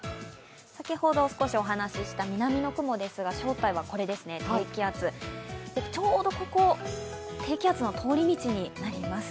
先ほど少しお話しした南の雲ですが、正体は低気圧、ちょうどここ、低気圧の通り道になります。